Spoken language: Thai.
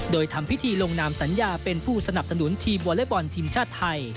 โดยทำพิธีลงนามสัญญาเป็นผู้สนับสนุนทีมวอเล็กบอลทีมชาติไทย